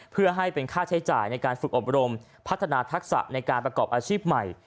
เพื่อให้เป็นค่าใช้จ่ายในการฝึกอบรมพัฒนาทักษะในการประกอบอาชีพใหม่